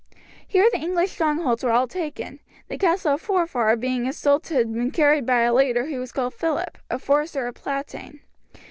Here the English strongholds were all taken, the castle of Forfar being assaulted and carried by a leader who was called Phillip, a forester of Platane.